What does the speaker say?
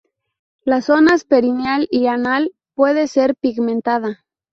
Las zonas perineal y anal puede ser pigmentada.